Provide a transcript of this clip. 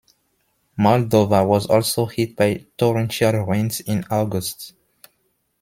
Moldova was also hit by torrential rains in August.